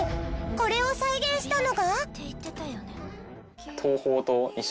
これを再現したのが。